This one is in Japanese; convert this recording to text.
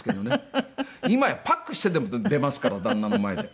今やパックしてても出ますから旦那の前で。